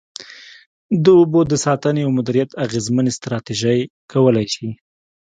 د اوبو د ساتنې او مدیریت اغیزمنې ستراتیژۍ کولای شي.